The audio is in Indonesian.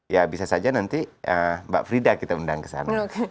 ya bisa saja nanti mbak frida kita undang ke sana